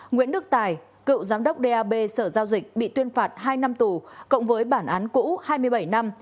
nguyễn đức tài cựu giám đốc dap sở giao dịch bị tuyên phạt hai năm tù cộng với bản án cũ hai mươi bảy năm